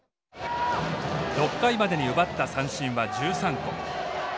６回までに奪った三振は１３個。